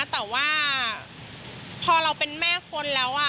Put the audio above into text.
แต่ว่าพอเราเป็นแม่คนแล้ว